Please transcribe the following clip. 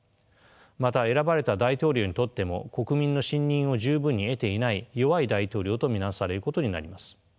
また選ばれた大統領にとっても国民の信任を十分に得ていない弱い大統領と見なされることになります。